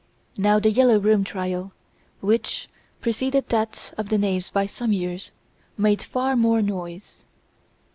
Now The "Yellow Room" trial, which, preceded that of the Nayves by some years, made far more noise.